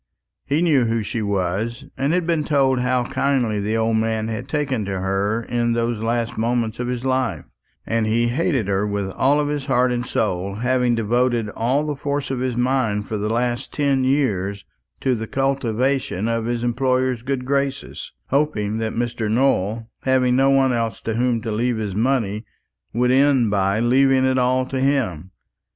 He knew who she was, and had been told how kindly the old man had taken to her in those last moments of his life; and he hated her with all his heart and soul, having devoted all the force of his mind for the last ten years to the cultivation of his employer's good graces, hoping that Mr. Nowell, having no one else to whom to leave his money, would end by leaving it all to him.